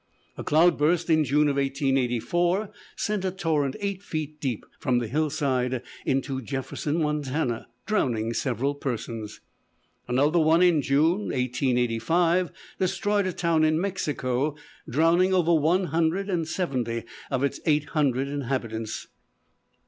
A cloud burst in June, 1884, sent a torrent eight feet deep from the hillside into Jefferson, Montana, drowning several persons. Another one in June, 1885, destroyed a town in Mexico, drowning over one hundred and seventy of its eight hundred inhabitants.